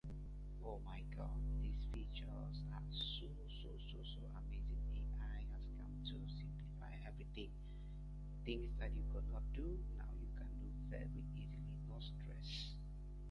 There are dangers if the threatened actor decides not to comply.